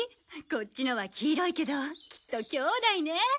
こっちのは黄色いけどきっときょうだいね。